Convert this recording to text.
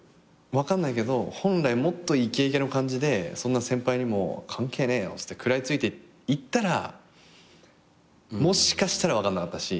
分かんないけど本来もっとイケイケの感じで先輩にも関係ねえよっつって食らい付いていったらもしかしたら分かんなかったし。